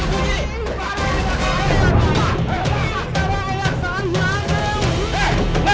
selanjutnya anaknya mati